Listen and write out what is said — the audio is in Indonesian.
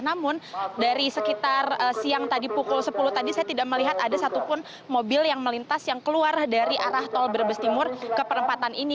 namun dari sekitar siang tadi pukul sepuluh tadi saya tidak melihat ada satupun mobil yang melintas yang keluar dari arah tol brebes timur ke perempatan ini